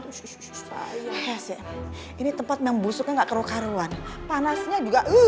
ayah ini tempat busuknya gak karu karuan panasnya juga